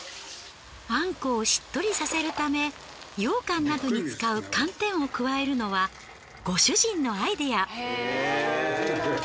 あんこをしっとりさせるためようかんなどに使う寒天を加えるのはご主人のアイデア。